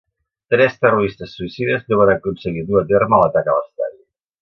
Tres terroristes suïcides no van aconseguir dur a terme l'atac a l'estadi.